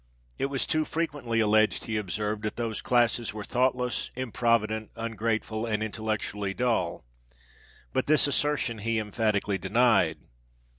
It was too frequently alleged, he observed, that those classes were thoughtless, improvident, ungrateful, and intellectually dull; but this assertion he emphatically denied.